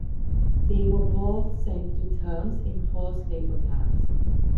They were both sent to terms in forced labor camps.